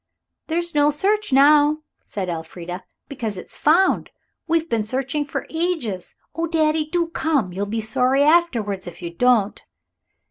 "There's no search now," said Elfrida, "because it's found. We've been searching for ages. Oh, daddy, do come you'll be sorry afterwards if you don't."